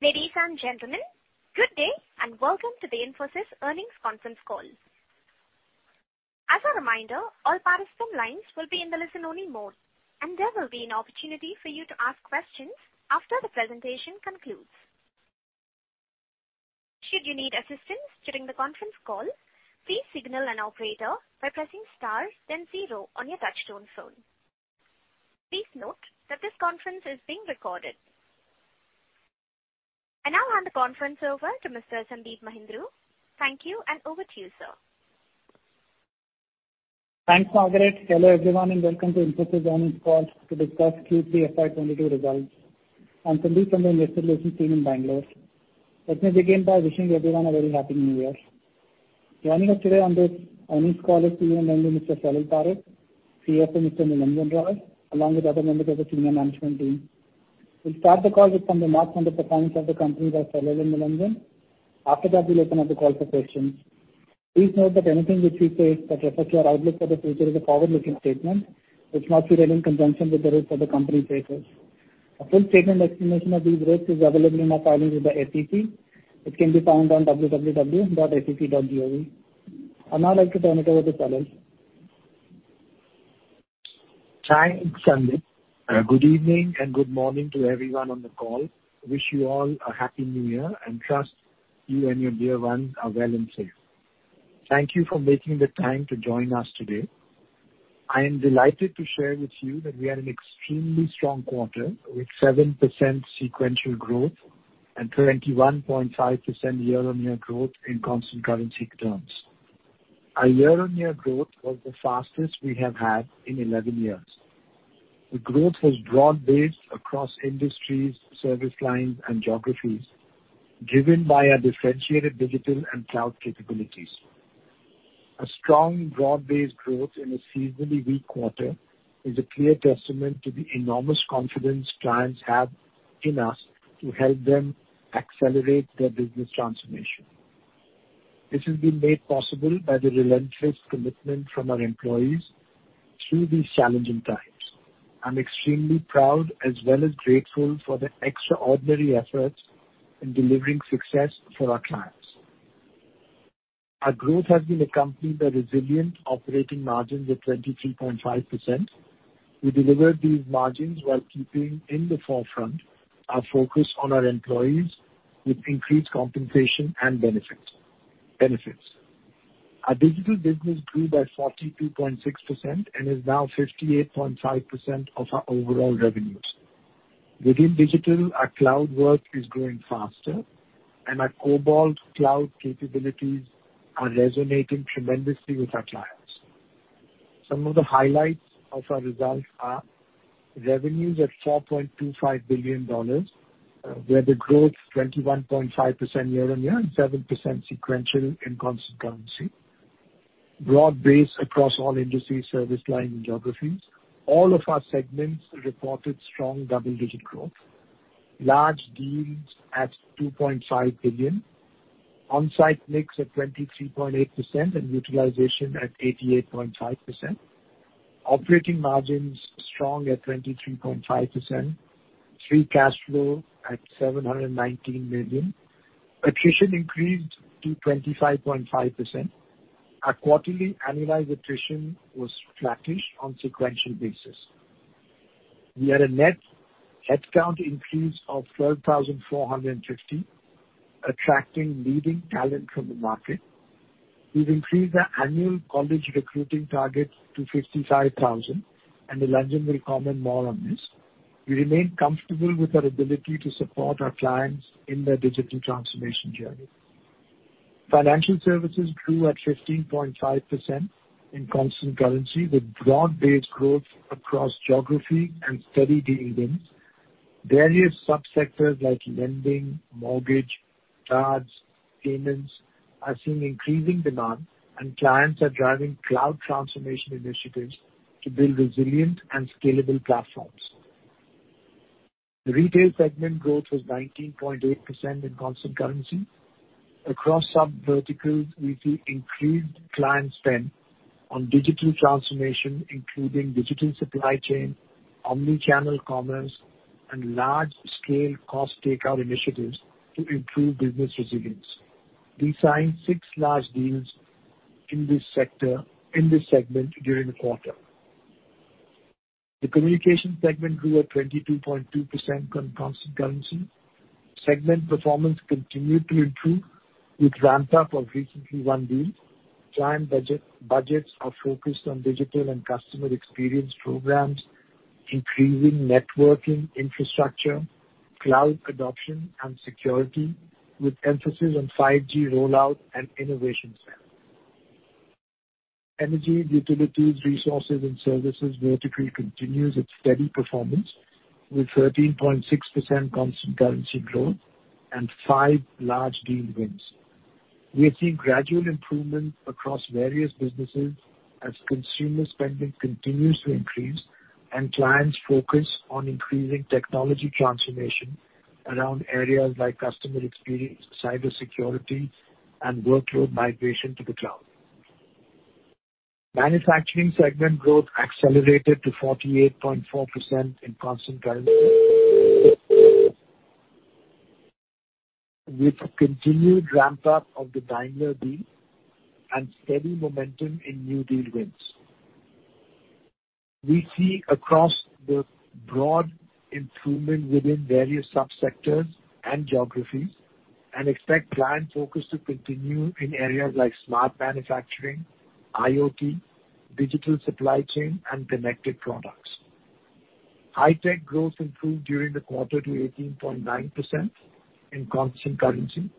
Ladies and gentlemen, good day, and welcome to the Infosys earnings conference call. As a reminder, all participant lines will be in the listen-only mode, and there will be an opportunity for you to ask questions after the presentation concludes. Should you need assistance during the conference call, please signal an operator by pressing star then zero on your touch-tone phone. Please note that this conference is being recorded. I now hand the conference over to Mr. Sandeep Mahindroo. Thank you, and over to you, sir. Thanks, Margaret. Hello, everyone, and welcome to Infosys earnings call to discuss Q3 FY 2022 results. I'm Sandeep from the investor relations team in Bangalore. Let me begin by wishing everyone a very happy new year. Joining us today on this earnings call is CEO and Managing Director, Mr. Salil Parekh, CFO, Mr. Nilanjan Roy, along with other members of the senior management team. We'll start the call with some remarks on the performance of the company by Salil and Nilanjan. After that, we'll open up the call for questions. Please note that anything which we say that refers to our outlook for the future is a forward-looking statement which might be read in conjunction with the risks that the company faces. A full statement explanation of these risks is available in our filings with the SEC. It can be found on www.sec.gov. I'd now like to turn it over to Salil. Thanks, Sandeep. Good evening and good morning to everyone on the call. Wish you all a happy new year and trust you and your dear ones are well and safe. Thank you for making the time to join us today. I am delighted to share with you that we had an extremely strong quarter with 7% sequential growth and 21.5% year-on-year growth in constant currency terms. Our year-on-year growth was the fastest we have had in 11 years. The growth was broad-based across industries, service lines, and geographies, driven by our differentiated digital and cloud capabilities. A strong broad-based growth in a seasonally weak quarter is a clear testament to the enormous confidence clients have in us to help them accelerate their business transformation. This has been made possible by the relentless commitment from our employees through these challenging times. I'm extremely proud as well as grateful for their extraordinary efforts in delivering success for our clients. Our growth has been accompanied by resilient operating margins of 23.5%. We delivered these margins while keeping in the forefront our focus on our employees with increased compensation and benefits. Our digital business grew by 42.6% and is now 58.5% of our overall revenues. Within digital, our cloud work is growing faster, and our Cobalt cloud capabilities are resonating tremendously with our clients. Some of the highlights of our results are revenues at $4.25 billion, where the growth 21.5% year-on-year and 7% sequential in constant currency. Broad-based across all industries, service line, and geographies. All of our segments reported strong double-digit growth. Large deals at $2.5 billion. On-site mix at 23.8% and utilization at 88.5%. Operating margins strong at 23.5%. Free cash flow at $719 million. Attrition increased to 25.5%. Our quarterly annualized attrition was flattish on sequential basis. We had a net headcount increase of 12,450, attracting leading talent from the market. We've increased our annual college recruiting target to 55,000, and Nilanjan will comment more on this. We remain comfortable with our ability to support our clients in their digital transformation journey. Financial services grew at 15.5% in constant currency with broad-based growth across geography and steady deal wins. Various subsectors like lending, mortgage, cards, payments are seeing increasing demand, and clients are driving cloud transformation initiatives to build resilient and scalable platforms. The retail segment growth was 19.8% in constant currency. Across subverticals, we see increased client spend on digital transformation, including digital supply chain, omni-channel commerce, and large-scale cost takeout initiatives to improve business resilience. We signed six large deals in this sector, in this segment during the quarter. The communication segment grew at 22.2% constant currency. Segment performance continued to improve with ramp up of recently won deals. Client budgets are focused on digital and customer experience programs, increasing networking infrastructure, cloud adoption, and security, with emphasis on 5G rollout and innovation spend. Energy, utilities, resources, and services vertical continues its steady performance with 13.6% constant currency growth and five large deal wins. We have seen gradual improvement across various businesses as consumer spending continues to increase and clients focus on increasing technology transformation around areas like customer experience, cybersecurity, and workload migration to the cloud. Manufacturing segment growth accelerated to 48.4% in constant currency. With continued ramp up of the Daimler and steady momentum in new deal wins. We see across-the-board improvement within various subsectors and geographies and expect client focus to continue in areas like smart manufacturing, IoT, digital supply chain, and connected products. High-tech growth improved during the quarter to 18.9% in constant currency.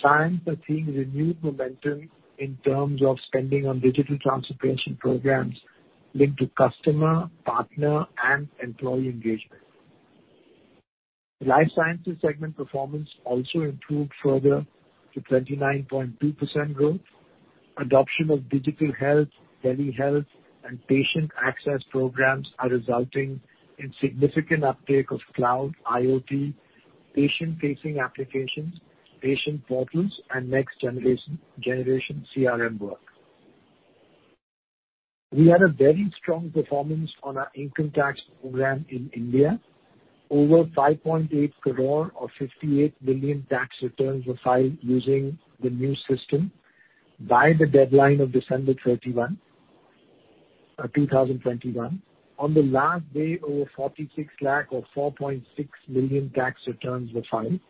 Clients are seeing renewed momentum in terms of spending on digital transformation programs linked to customer, partner, and employee engagement. Life sciences segment performance also improved further to 29.2% growth. Adoption of digital health, tele health, and patient access programs are resulting in significant uptake of cloud, IoT, patient-facing applications, patient portals, and next generation CRM work. We had a very strong performance on our income tax program in India. Over 5.8 crore or 58 million tax returns were filed using the new system by the deadline of December 31, 2021. On the last day, over 46 lakh or 4.6 million tax returns were filed,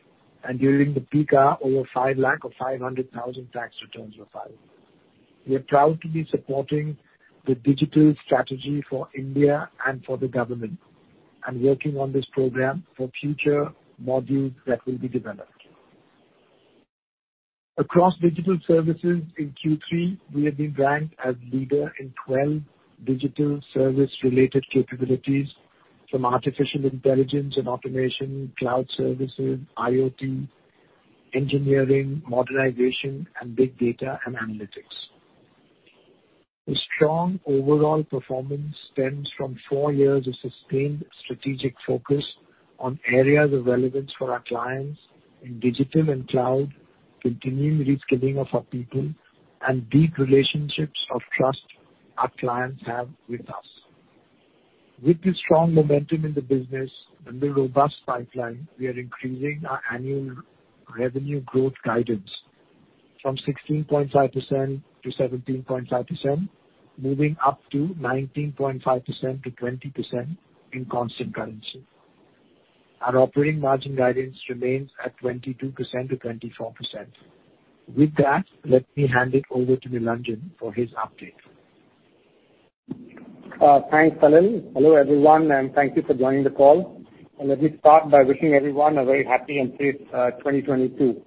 and during the peak hour, over 5 lakh or 500,000 tax returns were filed. We are proud to be supporting the digital strategy for India and for the government and working on this program for future modules that will be developed. Across digital services in Q3, we have been ranked as leader in 12 digital service related capabilities from artificial intelligence and automation, cloud services, IoT, engineering, modernization, and big data and analytics. The strong overall performance stems from four years of sustained strategic focus on areas of relevance for our clients in digital and cloud, continuing reskilling of our people, and deep relationships of trust our clients have with us. With the strong momentum in the business and the robust pipeline, we are increasing our annual revenue growth guidance from 16.5%-17.5%, moving up to 19.5%-20% in constant currency. Our operating margin guidance remains at 22%-24%. With that, let me hand it over to Nilanjan for his update. Thanks, Salil. Hello, everyone, and thank you for joining the call. Let me start by wishing everyone a very happy and safe 2022.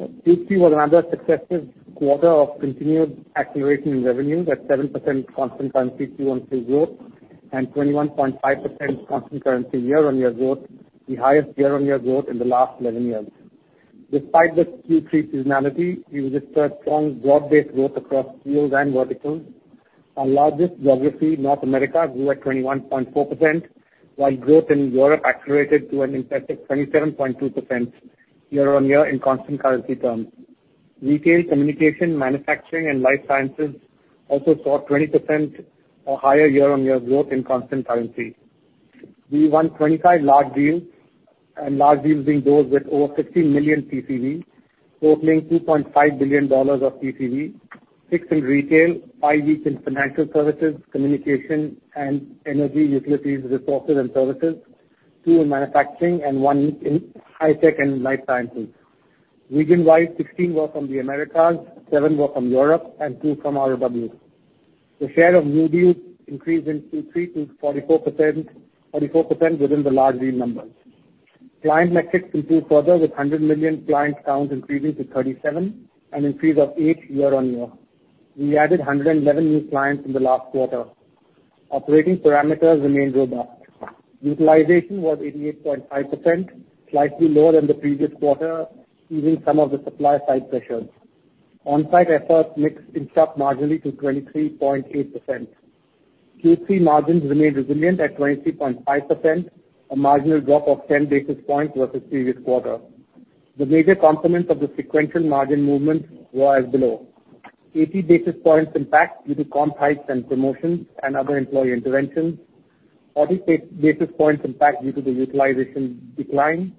Q3 was another successive quarter of continued accelerating revenue at 7% constant currency Q-on-Q growth and 21.5% constant currency year-on-year growth, the highest year-on-year growth in the last 11 years. Despite the Q3 seasonality, we registered strong job-based growth across geos and verticals. Our largest geography, North America, grew at 21.4%, while growth in Europe accelerated to an impressive 27.2% year-on-year in constant currency terms. Retail, communication, manufacturing, and life sciences also saw 20% or higher year-on-year growth in constant currency. We won 25 large deals, and large deals being those with over $50 million PCV, totaling $2.5 billion of PCV. six in retail, five each in financial services, communication, and energy, utilities, resources, and services, two in manufacturing, and one each in high-tech and life sciences. Region-wide, 16 were from the Americas, seven were from Europe, and two from ROW. The share of new deals increased in Q3 to 44%, 44% within the large deal numbers. Client metrics improved further with 100 million client count increasing to 37, an increase of eight YoY. We added 111 new clients in the last quarter. Operating parameters remained robust. Utilization was 88.5%, slightly lower than the previous quarter, easing some of the supply side pressures. On-site efforts mix ticked up marginally to 23.8%. Q3 margins remained resilient at 23.5%, a marginal drop of 10 basis points versus previous quarter. The major components of the sequential margin movement were as below. 80 basis points impact due to comp hikes and promotions and other employee interventions. 46 basis points impact due to the utilization decline.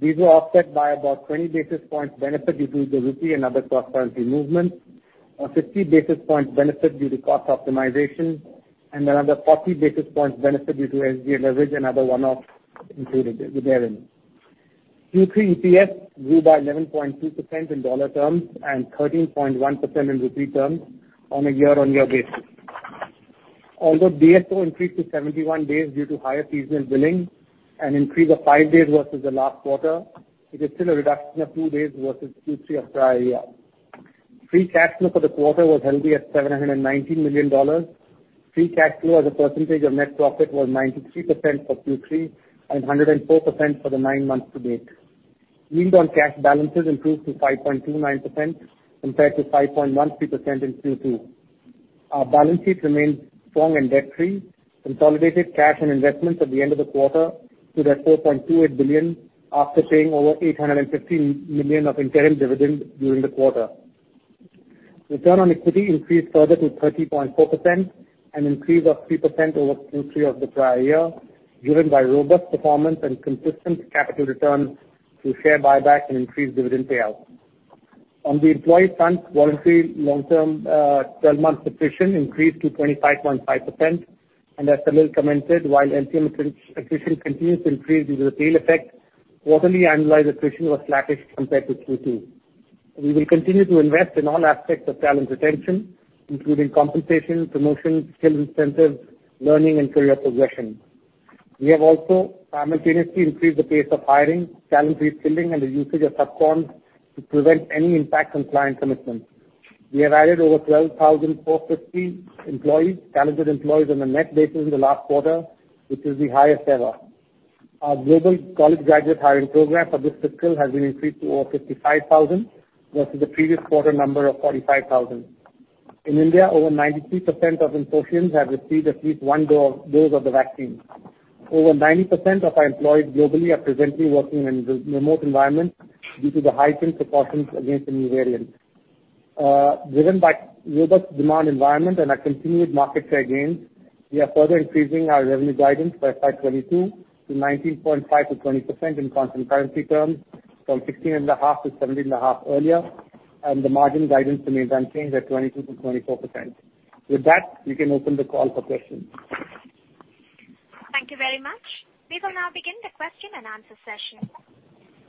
These were offset by about 20 basis points benefit due to the rupee and other cross-currency movements. A 50 basis points benefit due to cost optimization and another 40 basis points benefit due to SG&A leverage and other one-offs included within. Q3 EPS grew by 11.2% in dollar terms and 13.1% in rupee terms on a year-on-year basis. Although DSO increased to 71 days due to higher seasonal billing, an increase of five days versus the last quarter, it is still a reduction of two days versus Q3 of prior year. Free cash flow for the quarter was healthy at $719 million. Free cash flow as a percentage of net profit was 93% for Q3 and 104% for the nine months to date. Yield on cash balances improved to 5.29% compared to 5.13% in Q2. Our balance sheet remains strong and debt-free. Consolidated cash and investments at the end of the quarter stood at $4.28 billion after paying over 850 million of interim dividend during the quarter. Return on equity increased further to 30.4%, an increase of 3% over Q3 of the prior year, driven by robust performance and consistent capital returns through share buyback and increased dividend payout. On the employee front, quarterly long-term, twelve-month attrition increased to 25.5%. As Salil commented, while LTM attrition continues to increase due to the tail effect, quarterly annualized attrition was flattish compared to Q2. We will continue to invest in all aspects of talent retention, including compensation, promotion, skill incentives, learning and career progression. We have also simultaneously increased the pace of hiring, talent reskilling and the usage of sub-con to prevent any impact on client commitments. We have added over 12,450 employees, talented employees on a net basis in the last quarter, which is the highest ever. Our global college graduate hiring program for this fiscal has been increased to over 55,000 versus the previous quarter number of 45,000. In India, over 92% of Infoscions have received at least one dose of the vaccine. Over 90% of our employees globally are presently working in remote environments due to the heightened precautions against the new variant. Driven by robust demand environment and our continued market share gains, we are further increasing our revenue guidance for FY 2022 to 19.5%-20% in constant currency terms from 16.5%-17.5% earlier. The margin guidance remains unchanged at 22%-24%. With that, we can open the call for questions. Thank you very much. We will now begin the question and answer session.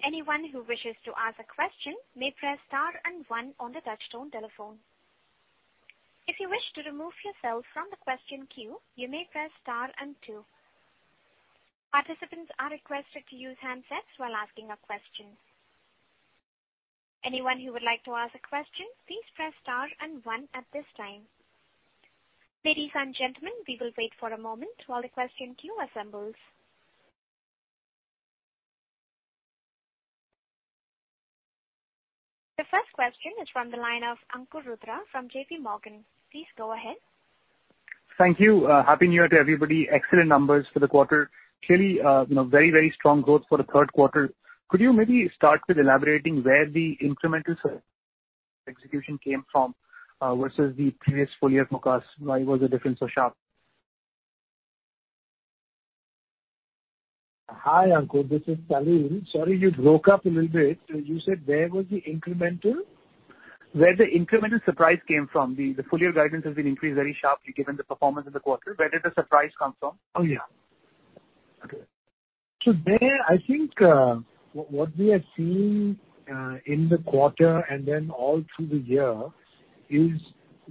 Anyone who wishes to ask a question may press star and one on the touchtone telephone. If you wish to remove yourself from the question queue, you may press star and two. Participants are requested to use handsets while asking a question. Anyone who would like to ask a question, please press star and one at this time. Ladies and gentlemen, we will wait for a moment while the question queue assembles. The first question is from the line of Ankur Rudra from J.P. Morgan. Please go ahead. Thank you. Happy New Year to everybody. Excellent numbers for the quarter. Clearly, you know, very, very strong growth for the third quarter. Could you maybe start with elaborating where the incremental execution came from, versus the previous full year forecast? Why was the difference so sharp? Hi, Ankur, this is Salil. Sorry, you broke up a little bit. You said where was the incremental? Where the incremental surprise came from? The full year guidance has been increased very sharply given the performance of the quarter. Where did the surprise come from? Oh, yeah. Okay. There, I think what we are seeing in the quarter and then all through the year is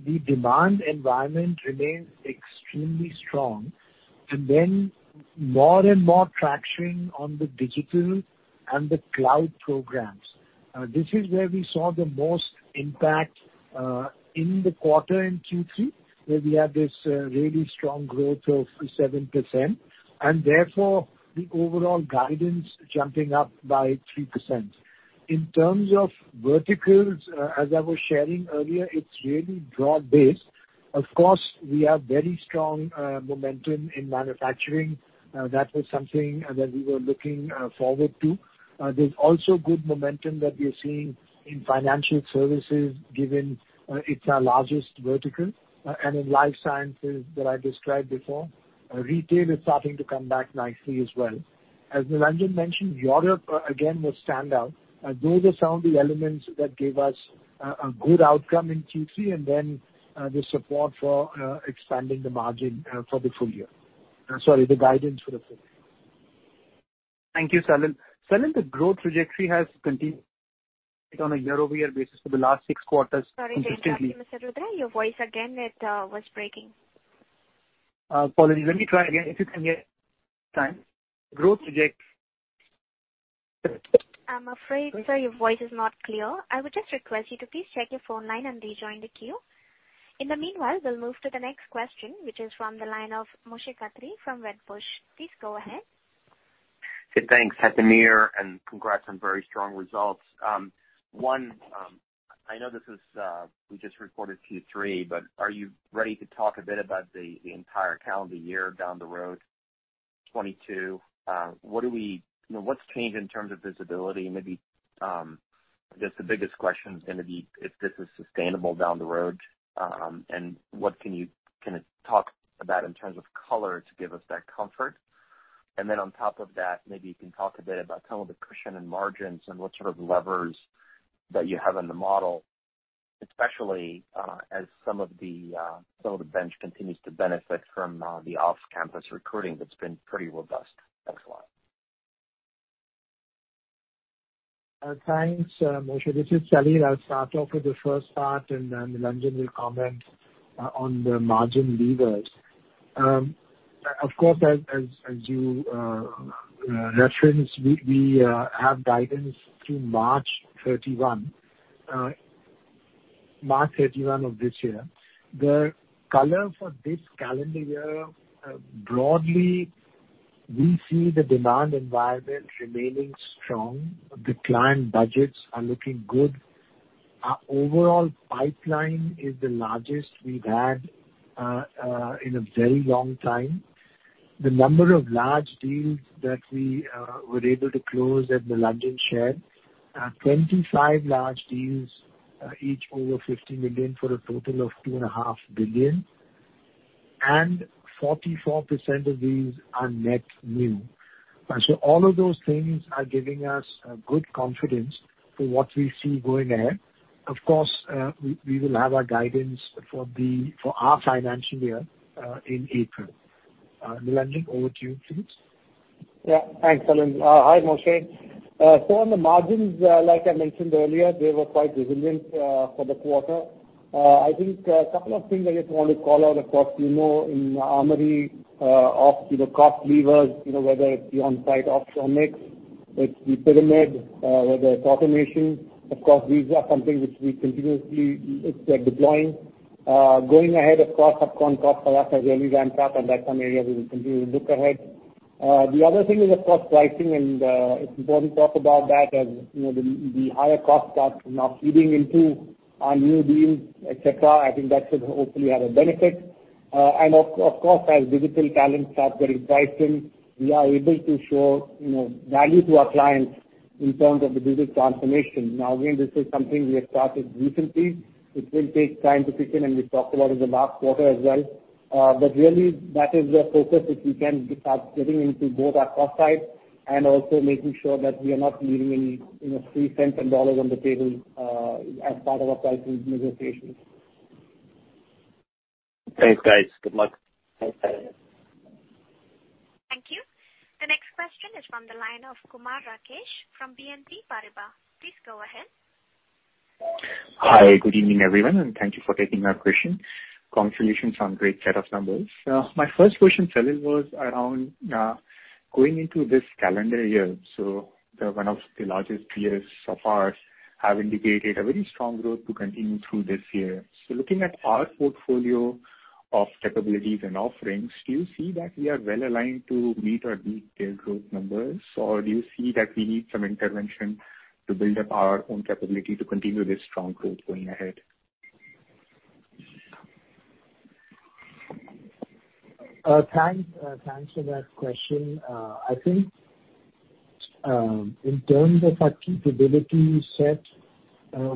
the demand environment remains extremely strong and then more and more traction on the digital and the cloud programs. This is where we saw the most impact in the quarter in Q3, where we have this really strong growth of 7% and therefore the overall guidance jumping up by 3%. In terms of verticals, as I was sharing earlier, it's really broad-based. Of course, we have very strong momentum in manufacturing. That was something that we were looking forward to. There's also good momentum that we are seeing in financial services given it's our largest vertical and in life sciences that I described before. Retail is starting to come back nicely as well. As Nilanjan mentioned, Europe again was standout. Those are some of the elements that gave us a good outcome in Q3 and then the support for expanding the margin for the full year. Sorry, the guidance for the full year. Thank you, Salil. Salil, the growth trajectory has continued on a YoY basis for the last six quarters. Sorry to interrupt you, Mr. Rudra. Your voice again, it was breaking. Apologies. Let me try again if you can hear this time. Growth trajectory. I'm afraid, sir, your voice is not clear. I would just request you to please check your phone line and rejoin the queue. In the meanwhile, we'll move to the next question, which is from the line of Moshe Katri from Wedbush. Please go ahead. Thanks. Happy New Year, and congrats on very strong results. I know this is, we just reported Q3, but are you ready to talk a bit about the entire calendar year down the road, 2022? You know, what's changed in terms of visibility? Maybe, I guess the biggest question is gonna be if this is sustainable down the road, and what can you talk about in terms of color to give us that comfort? Then on top of that, maybe you can talk a bit about some of the cushion and margins and what sort of levers that you have in the model, especially, as some of the bench continues to benefit from the off-campus recruiting that's been pretty robust. Thanks a lot. Thanks, Moshe. This is Salil. I'll start off with the first part, and then Nilanjan will comment on the margin levers. Of course, as you reference, we have guidance through March 31. March 31 of this year. The color for this calendar year, broadly we see the demand environment remaining strong. The client budgets are looking good. Our overall pipeline is the largest we've had in a very long time. The number of large deals that we were able to close in the large deal share are 25 large deals, each over $50 million for a total of $2.5 billion and 44% of these are net new. All of those things are giving us good confidence for what we see going ahead. Of course, we will have our guidance for our financial year in April. Nilanjan, over to you, please. Yeah. Thanks, Salil. Hi, Moshe. On the margins, like I mentioned earlier, they were quite resilient for the quarter. I think a couple of things I just want to call out, of course, you know, in Q4 we pulled the cost levers, you know, whether it's the on-site ops or mix, it's the pyramid, whether it's automation. Of course, these are something which we continuously deploying. Going ahead, of course, subcon cost for us has really ramped up, and that's some areas we will continue to look ahead. The other thing is, of course pricing and it's important to talk about that as, you know, the higher cost start from now feeding into our new deals, et cetera. I think that should hopefully have a benefit. Of course, as digital talents start getting pricing, we are able to show, you know, value to our clients in terms of the business transformation. Now, again, this is something we have started recently. It will take time to kick in, and we talked about it in the last quarter as well. Really that is the focus, if we can start getting into both our cost side and also making sure that we are not leaving any, you know, free cents and dollars on the table, as part of our pricing negotiations. Thanks, guys. Good luck. Thanks. Thank you. The next question is from the line of Kumar Rakesh from BNP Paribas. Please go ahead. Hi. Good evening, everyone, and thank you for taking my question. Congratulations on great set of numbers. My first question, Salil, was around going into this calendar year. So the one of the largest peers so far have indicated a very strong growth to continue through this year. So looking at our portfolio of capabilities and offerings, do you see that we are well aligned to meet or beat their growth numbers? Or do you see that we need some intervention to build up our own capability to continue this strong growth going ahead? Thanks for that question. I think, in terms of our capability set,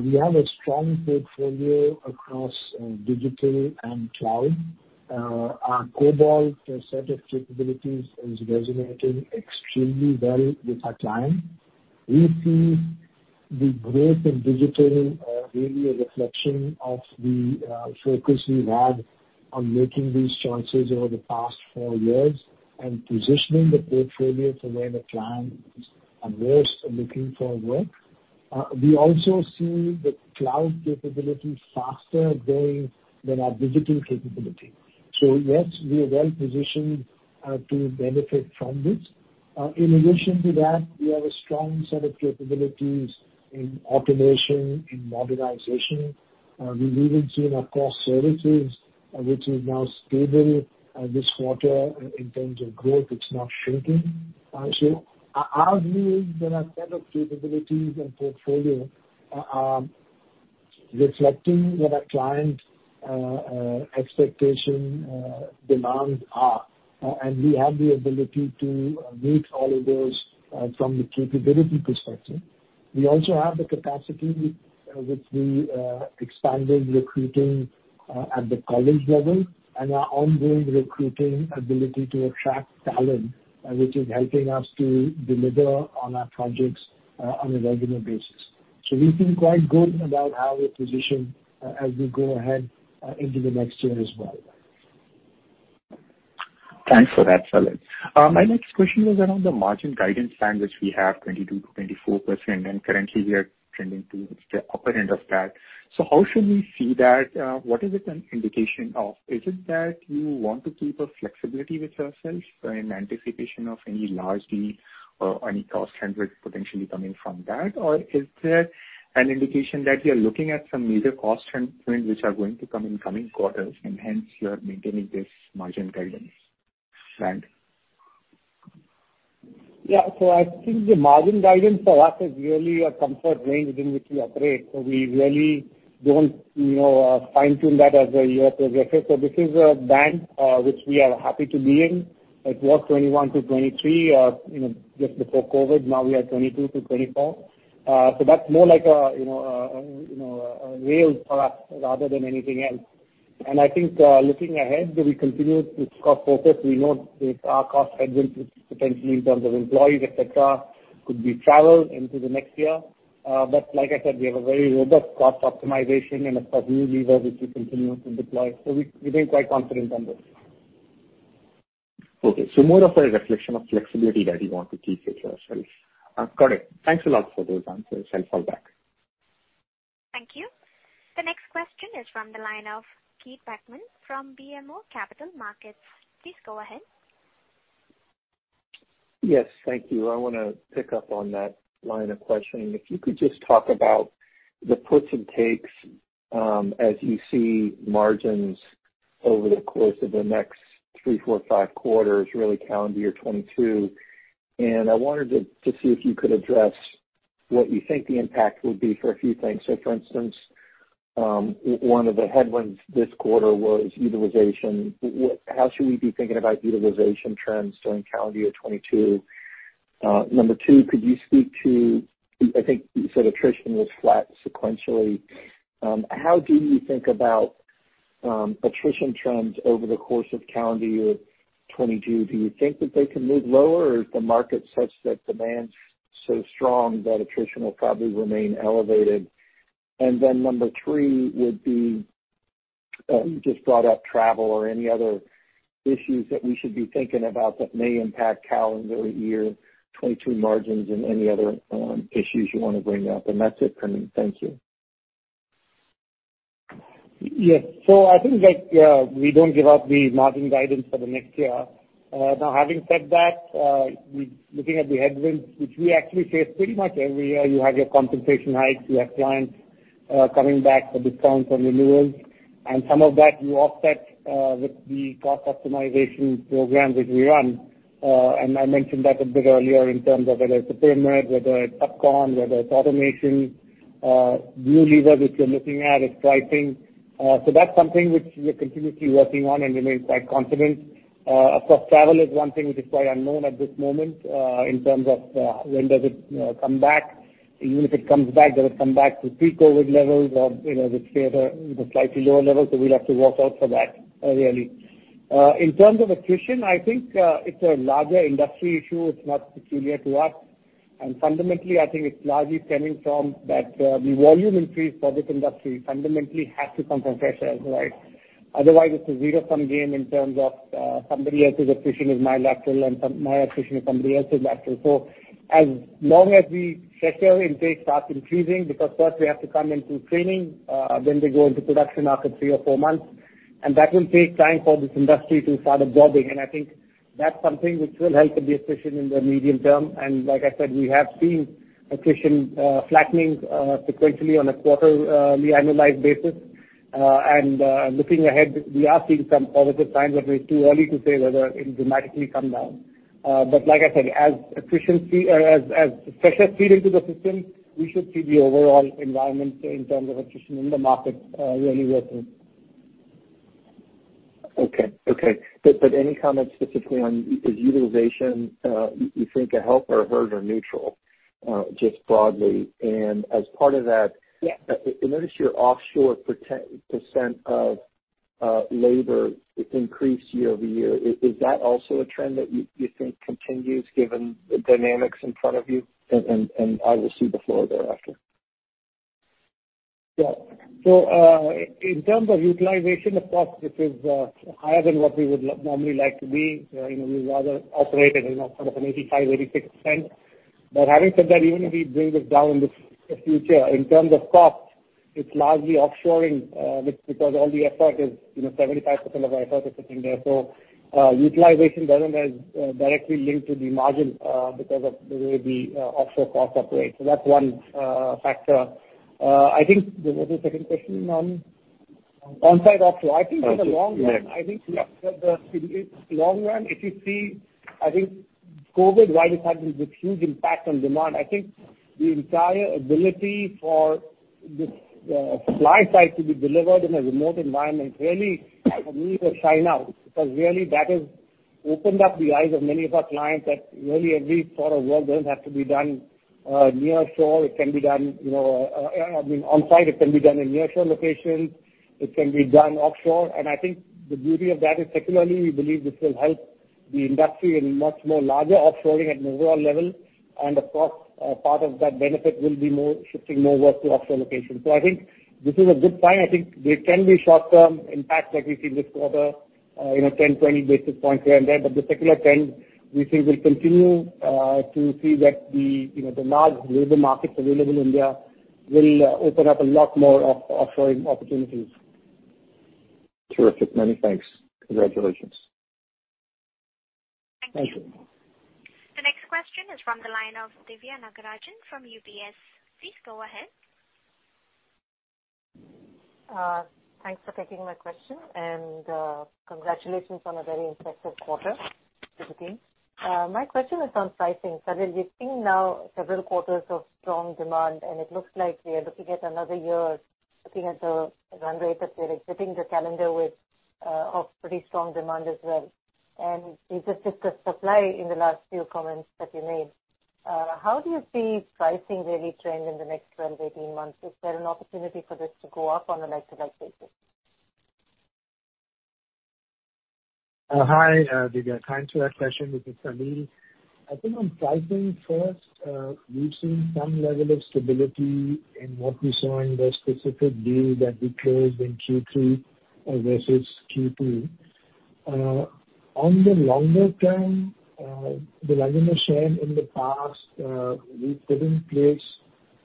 we have a strong portfolio across digital and cloud. Our Cobalt set of capabilities is resonating extremely well with our clients. We see the growth in digital really a reflection of the focus we've had on making these choices over the past four years and positioning the portfolio to where the client is looking for work. We also see the cloud capability faster growing than our digital capability. Yes, we are well-positioned to benefit from this. In addition to that, we have a strong set of capabilities in automation, in modernization. We're even seeing across services, which is now stable this quarter in terms of growth. It's not shrinking. Our view is that our set of capabilities and portfolio are reflecting what our clients' expectations and demands are. We have the ability to meet all of those from the capability perspective. We also have the capacity with the expanding recruiting at the college level and our ongoing recruiting ability to attract talent, which is helping us to deliver on our projects on a regular basis. We feel quite good about how we're positioned as we go ahead into the next year as well. Thanks for that, Salil. My next question was around the margin guidance band, which we have 22%-24%, and currently we are trending towards the upper end of that. How should we see that? What is it an indication of? Is it that you want to keep a flexibility with yourselves in anticipation of any large deal or any cost headwinds potentially coming from that? Or is there an indication that you're looking at some major cost trends which are going to come in coming quarters and hence you are maintaining this margin guidance band? Yeah. I think the margin guidance for us is really a comfort range within which we operate. We really don't, you know, fine-tune that as the year progresses. This is a band which we are happy to be in. It was 21%-23%, you know, just before COVID. Now we are 22%-24%. That's more like a, you know, a rail for us rather than anything else. I think, looking ahead, we continue with cost focus. We know there are cost headwinds, which potentially in terms of employees, et cetera, could be travel into the next year. Like I said, we have a very robust cost optimization and a few levers which we continue to deploy. We feel quite confident on this. Okay. More of a reflection of flexibility that you want to keep with yourselves. Got it. Thanks a lot for those answers. I'll fall back. Thank you. The next question is from the line of Keith Bachman from BMO Capital Markets. Please go ahead. Yes. Thank you. I wanna pick up on that line of questioning. If you could just talk about the puts and takes, as you see margins over the course of the next three, four, five quarters, really calendar year 2022. I wanted to see if you could address what you think the impact would be for a few things. For instance. One of the headwinds this quarter was utilization. How should we be thinking about utilization trends during calendar year 2022? Number two, could you speak to I think you said attrition was flat sequentially. How do you think about attrition trends over the course of calendar year 2022? Do you think that they can move lower or is the market such that demand's so strong that attrition will probably remain elevated? Then number three would be, you just brought up travel or any other issues that we should be thinking about that may impact calendar year 2022 margins and any other issues you wanna bring up. That's it, Nilanjan. Thank you. Yes. I think that we don't give out the margin guidance for the next year. Now having said that, looking at the headwinds, which we actually face pretty much every year, you have your compensation hikes, you have clients coming back for discounts on renewals. Some of that you offset with the cost optimization program which we run. I mentioned that a bit earlier in terms of whether it's a pyramid, whether it's subcon, whether it's automation. New lever which we're looking at is pricing. That's something which we are continuously working on and remain quite confident. Of course, travel is one thing which is quite unknown at this moment in terms of when does it come back. Even if it comes back, does it come back to pre-COVID levels or, you know, with favor, with a slightly lower level? We'll have to work out for that, really. In terms of attrition, I think it's a larger industry issue. It's not peculiar to us. Fundamentally, I think it's largely stemming from that, the volume increase for this industry fundamentally has to come from freshers, right? Otherwise, it's a zero-sum game in terms of, somebody else's attrition is my lateral and my attrition is somebody else's lateral. As long as our fresher intake starts increasing, because first they have to come into training, then they go into production after three or four months. That will take time for this industry to start absorbing. I think that's something which will help with the attrition in the medium term. Like I said, we have seen attrition flattening sequentially on a quarterly annualized basis. Looking ahead, we are seeing some positive signs, but it's too early to say whether it will dramatically come down. Like I said, as freshers feed into the system, we should see the overall environment in terms of attrition in the market really worsen. Okay. Any comment specifically on utilization, you think a help or a hurt or neutral, just broadly? And as part of that- Yeah. I notice your offshore % of labor increased YoY. Is that also a trend that you think continues given the dynamics in front of you? I will cede the floor thereafter. Yeah. In terms of utilization, of course, this is higher than what we would normally like to be. You know, we'd rather operate at, you know, sort of 85%-86%. Having said that, even if we bring this down in the future, in terms of cost, it's largely offshoring, which because all the effort is, you know, 75% of our effort is sitting there. Utilization doesn't as directly link to the margin because of the way the offshore costs operate. That's one factor. I think there was a second question on onsite offshore. Onsite. I think in the long run. Yes. I think, yeah, the long run, if you see, I think COVID, while it had this huge impact on demand, I think the entire ability for this supply side to be delivered in a remote environment really, I believe, will shine out. Because really that has opened up the eyes of many of our clients that really every sort of work doesn't have to be done nearshore. It can be done, you know, I mean, onsite, it can be done in nearshore locations, it can be done offshore. I think the beauty of that is secularly we believe this will help the industry in much more larger offshoring at an overall level. Of course, part of that benefit will be more shifting work to offshore locations. I think this is a good sign. I think there can be short-term impacts like we see this quarter, you know, 10, 20 basis points here and there, but the secular trend we think will continue to see that the you know the large labor markets available in India will open up a lot more offshore opportunities. Terrific. Many thanks. Congratulations. Thank you. The next question is from the line of Diviya Nagarajan from UBS. Please go ahead. Thanks for taking my question, and congratulations on a very impressive quarter to the team. My question is on pricing. Salil, we've seen now several quarters of strong demand, and it looks like we are looking at another year, looking at the run rate that you're exiting the calendar with, of pretty strong demand as well. You just discussed supply in the last few comments that you made. How do you see pricing really trend in the next 12-18 months? Is there an opportunity for this to go up on a like-to-like basis? Hi, Diviya. Thanks for that question. This is Salil. I think on pricing first, we've seen some level of stability in what we saw in the specific deal that we closed in Q3, versus Q2. On the longer term, Nilanjan has shared in the past, we've placed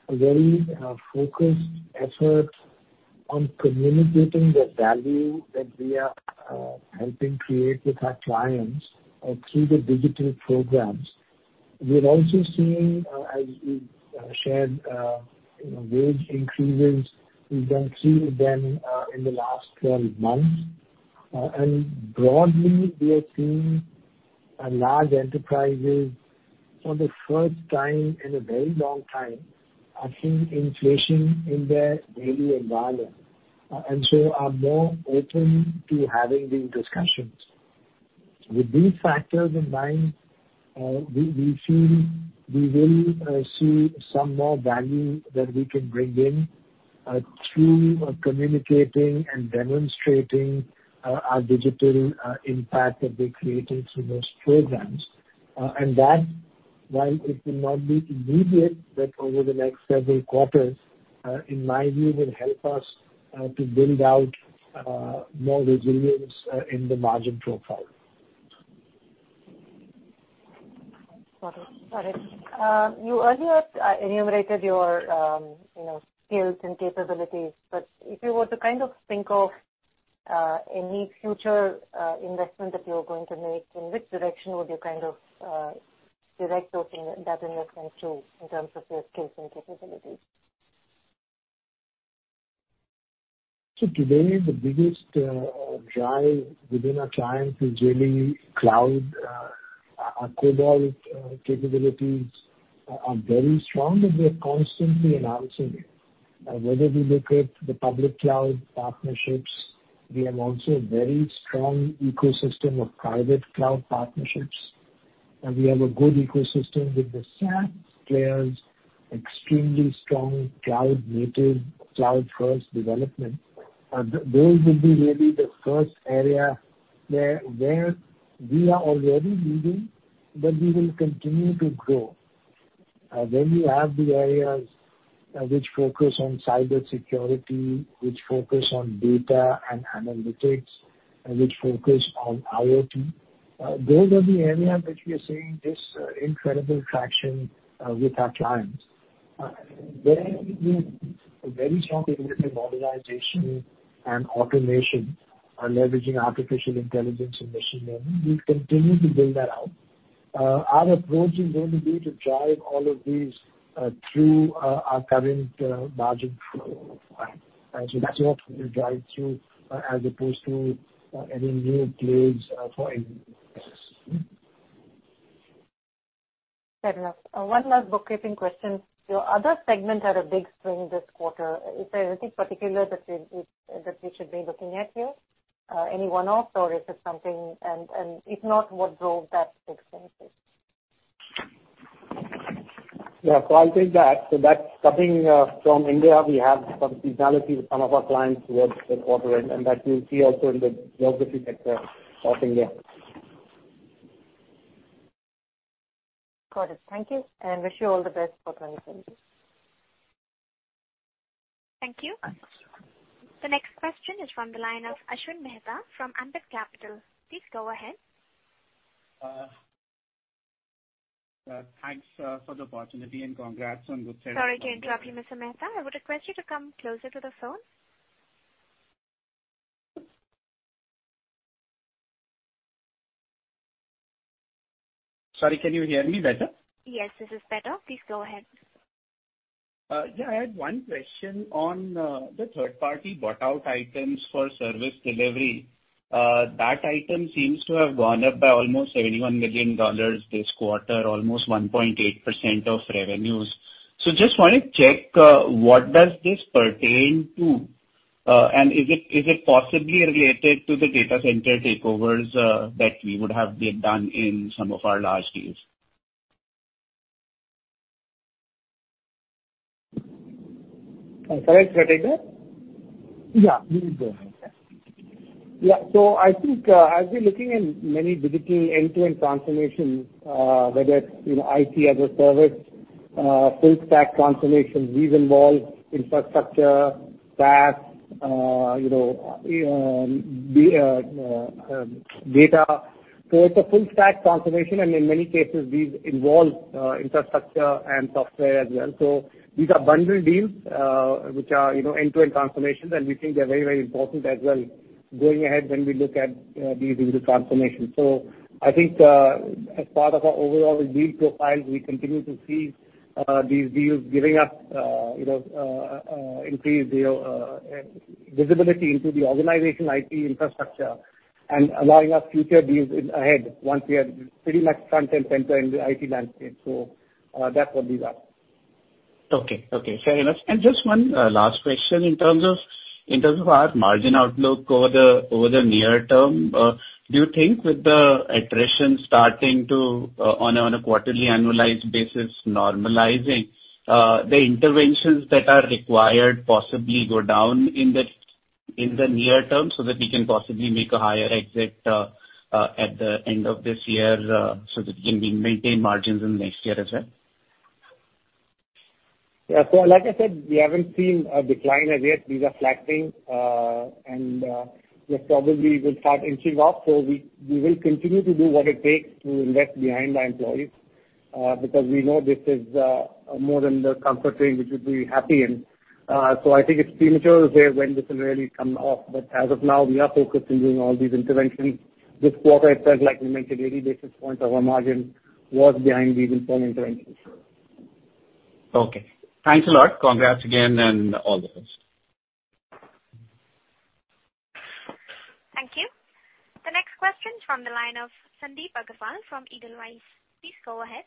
a very focused effort on communicating the value that we are helping create with our clients through the digital programs. We're also seeing, as we've shared, wage increases. We've done three of them in the last 12 months. Broadly, we are seeing Large enterprises for the first time in a very long time are seeing inflation in their daily environment, and so are more open to having these discussions. With these factors in mind, we feel we will see some more value that we can bring in through communicating and demonstrating our digital impact that we're creating through those programs. That, while it will not be immediate, but over the next several quarters, in my view, will help us to build out more resilience in the margin profile. Got it. You earlier enumerated your, you know, skills and capabilities, but if you were to kind of think of any future investment that you're going to make, in which direction would you kind of direct those that investment to in terms of your skills and capabilities? Today, the biggest drive within our clients is really cloud. Our Cobalt capabilities are very strong and we are constantly enhancing it. Whether we look at the public cloud partnerships, we have also a very strong ecosystem of private cloud partnerships, and we have a good ecosystem with the SaaS players, extremely strong cloud-native, cloud-first development. Those will be really the first area where we are already leading, but we will continue to grow. We have the areas which focus on cybersecurity, which focus on data and analytics, which focus on IoT. Those are the areas which we are seeing this incredible traction with our clients, where we have a very strong innovative organization and automation are leveraging artificial intelligence and machine learning. We'll continue to build that out. Our approach is going to be to drive all of these through our current margin profile. That's what we'll drive through as opposed to adding new plays for Fair enough. One last bookkeeping question. Your other segment had a big swing this quarter. Is there anything particular that we should be looking at here? Anyone else, or is it something, if not, what drove that expense base? Yeah. I'll take that. That's coming from India. We have some seasonality with some of our clients towards the quarter end, and that you'll see also in the geography sector of India. Got it. Thank you, and wish you all the best for 2022. Thank you. The next question is from the line of Ashwin Mehta from Ambit Capital. Please go ahead. Thanks for the opportunity and congrats on good set of Sorry to interrupt you, Mr. Mehta. I would request you to come closer to the phone. Sorry, can you hear me better? Yes, this is better. Please go ahead. Yeah, I had one question on the third party bought out items for service delivery. That item seems to have gone up by almost $71 million this quarter, almost 1.8% of revenues. Just wanna check, what does this pertain to? And is it possibly related to the data center takeovers that we would have been done in some of our large deals? Salil, you wanna take that? Yeah. You go ahead. Yeah. I think, as we're looking at many digital end-to-end transformations, whether it's, you know, IT as a service, full stack transformations, these involve infrastructure, SaaS, you know, data. It's a full stack transformation, and in many cases these involve infrastructure and software as well. These are bundled deals, which are, you know, end-to-end transformations, and we think they're very, very important as well going ahead when we look at these digital transformations. I think, as part of our overall deal profile, we continue to see these deals giving us, you know, increased, you know, visibility into the organization IT infrastructure and allowing us future deals ahead once we are pretty much front and center in the IT landscape. That's what these are. Okay. Fair enough. Just one last question in terms of our margin outlook over the near term. Do you think with the attrition starting to on a quarterly annualized basis normalizing, the interventions that are required possibly go down in the near term so that we can possibly make a higher exit at the end of this year, so that we can maintain margins in next year as well? Yeah. Like I said, we haven't seen a decline as yet. These are flattening, and this probably will start inching up. We will continue to do what it takes to invest behind our employees, because we know this is more than the comfort range which we'll be happy in. I think it's premature to say when this will really come off, but as of now we are focused on doing all these interventions. This quarter itself, like we mentioned, 80 basis points of our margin was behind these informed interventions. Okay. Thanks a lot. Congrats again and all the best. Thank you. The next question from the line of Sandip Agarwal from Edelweiss. Please go ahead.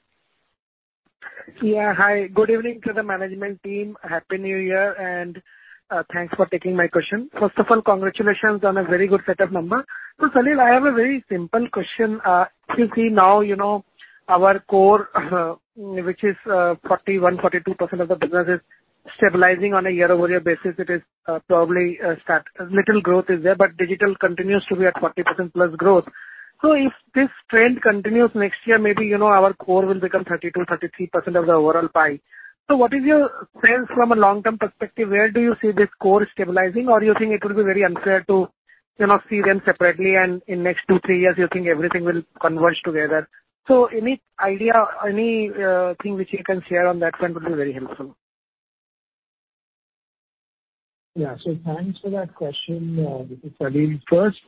Yeah, hi. Good evening to the management team. Happy New Year, and thanks for taking my question. First of all, congratulations on a very good set of numbers. Salil, I have a very simple question. We see now, you know, our core, which is 41%-42% of the business, is stabilizing on a YoY basis. It is probably stagnant. Little growth is there, but digital continues to be at 40%+ growth. If this trend continues next year, maybe, you know, our core will become 32%-33% of the overall pie. What is your sense from a long-term perspective? Where do you see this core stabilizing? Or you think it will be very unfair to, you know, see them separately and in next two, three years you think everything will converge together? Any idea, anything which you can share on that front would be very helpful. Yeah. Thanks for that question. This is Salil. First,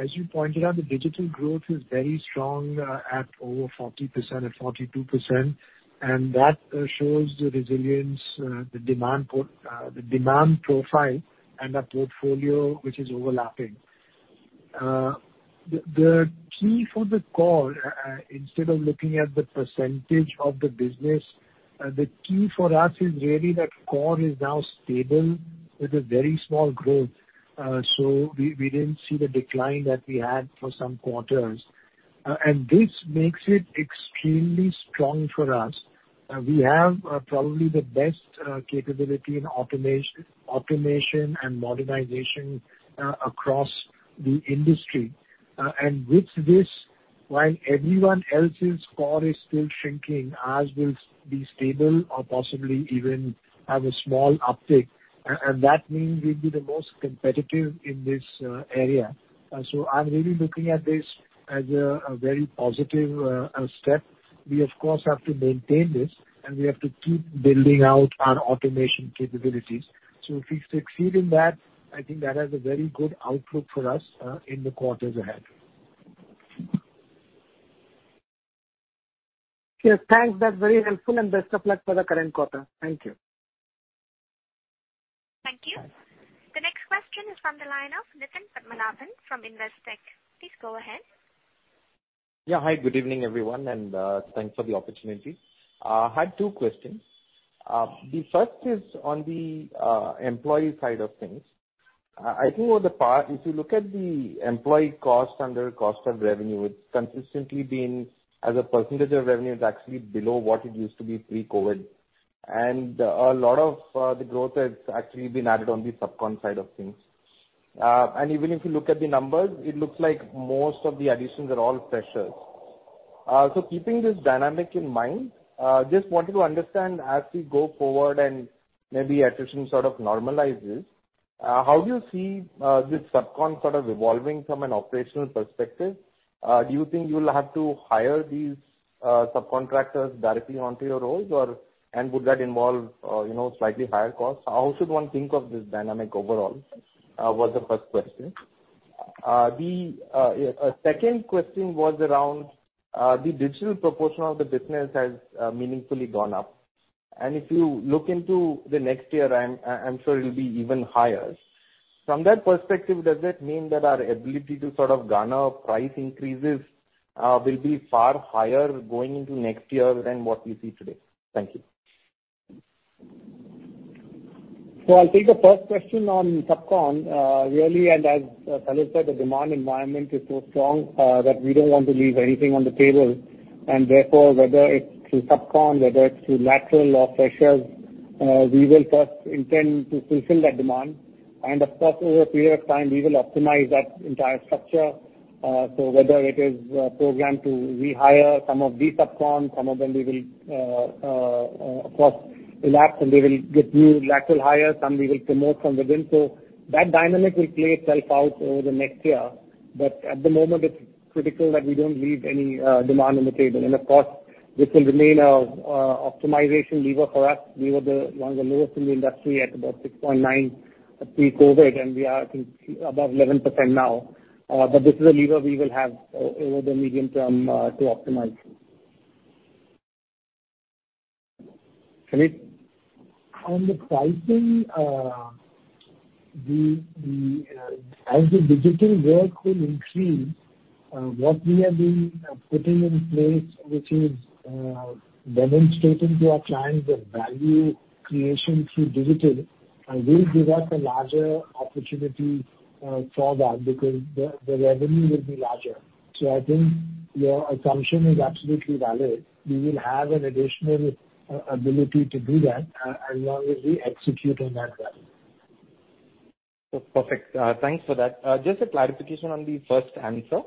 as you pointed out, the digital growth is very strong at over 40% or 42%, and that shows the resilience, the demand profile and a portfolio which is overlapping. The key for the core, instead of looking at the percentage of the business, the key for us is really that core is now stable with a very small growth. We didn't see the decline that we had for some quarters. This makes it extremely strong for us. We have probably the best capability in automation and modernization across the industry. With this, while everyone else's core is still shrinking, ours will be stable or possibly even have a small uptick. That means we'll be the most competitive in this area. I'm really looking at this as a very positive step. We of course have to maintain this, and we have to keep building out our automation capabilities. If we succeed in that, I think that has a very good outlook for us in the quarters ahead. Yes, thanks. That's very helpful. Best of luck for the current quarter. Thank you. Thank you. The next question is from the line of Nitin Padmanabhan from Investec. Please go ahead. Yeah. Hi, good evening, everyone, and thanks for the opportunity. I had two questions. The first is on the employee side of things. I think over the past, if you look at the employee cost under cost of revenue, it's consistently been, as a percentage of revenue, it's actually below what it used to be pre-COVID. A lot of the growth has actually been added on the subcon side of things. Even if you look at the numbers, it looks like most of the additions are all freshers. Keeping this dynamic in mind, just wanted to understand as we go forward and maybe attrition sort of normalizes, how do you see this subcon sort of evolving from an operational perspective? Do you think you'll have to hire these subcontractors directly onto your roles or... Would that involve, you know, slightly higher costs? How should one think of this dynamic overall? Was the first question. The second question was around the digital proportion of the business has meaningfully gone up. If you look into the next year, I'm sure it'll be even higher. From that perspective, does that mean that our ability to sort of garner price increases will be far higher going into next year than what we see today? Thank you. I'll take the first question on subcon. As Salil said, the demand environment is so strong that we don't want to leave anything on the table. Therefore, whether it's through subcon, whether it's through lateral or freshers, we will first intend to fulfill that demand. Of course, over a period of time we will optimize that entire structure. Whether it is programmed to rehire some of the subcon, some of them will, of course, lapse, and we will get new lateral hires, some we will promote from within. That dynamic will play itself out over the next year. At the moment, it's critical that we don't leave any demand on the table. Of course, this will remain a optimization lever for us. We were one of the lowest in the industry at about 6.9% pre-COVID, and we are at above 11% now. This is a lever we will have over the medium term to optimize. Salil? On the pricing, as the digital work will increase, what we have been putting in place, which is demonstrating to our clients the value creation through digital, will give us a larger opportunity for that because the revenue will be larger. I think your assumption is absolutely valid. We will have an additional ability to do that, as long as we execute on that value. Perfect. Thanks for that. Just a clarification on the first answer.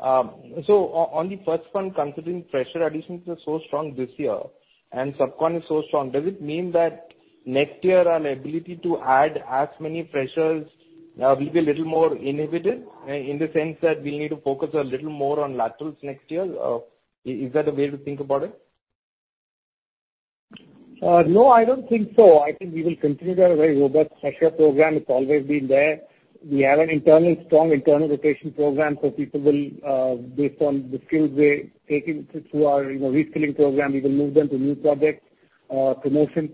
On the first one, considering fresher additions are so strong this year and subcon is so strong, does it mean that next year our ability to add as many freshers will be a little more inhibited in the sense that we need to focus a little more on laterals next year? Is that a way to think about it? No, I don't think so. I think we will continue our very robust fresher program. It's always been there. We have a strong internal rotation program, so people will, based on the skills they're taking through our, you know, reskilling program, we will move them to new projects, promotion.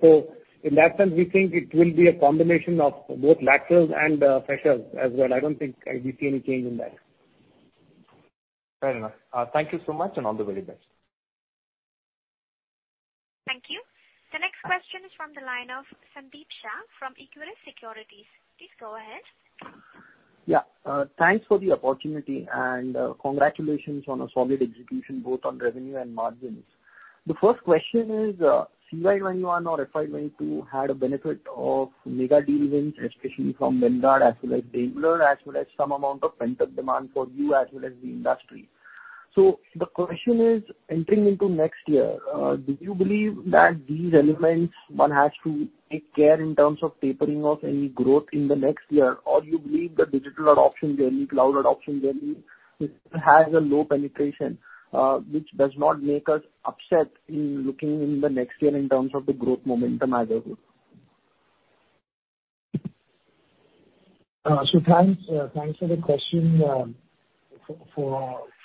In that sense, we think it will be a combination of both laterals and freshers as well. I don't think we see any change in that. Fair enough. Thank you so much, and all the very best. Thank you. The next question is from the line of Sandeep Shah from Equirus Securities. Please go ahead. Yeah. Thanks for the opportunity, and congratulations on a solid execution both on revenue and margins. The first question is, CY 2021 or FY 2022 had a benefit of mega deals wins, especially from Vanguard as well as Daimler, as well as some amount of pent-up demand for you as well as the industry. The question is, entering into next year, do you believe that these elements, one has to take care in terms of tapering off any growth in the next year? Or do you believe the digital adoption journey, cloud adoption journey has a low penetration, which does not make us upset in looking in the next year in terms of the growth momentum as a group? Thanks for the question.